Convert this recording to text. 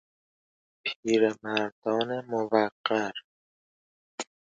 پیرمردان موقر